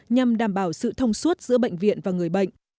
nhằm đảm bảo sự thông suốt giữa bệnh viện và người bệnh